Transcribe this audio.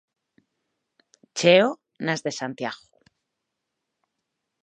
Cheo nas de Santiago.